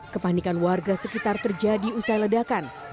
kepanikan warga sekitar terjadi usai ledakan